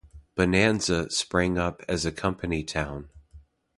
"Bonanza" sprang up as a company town.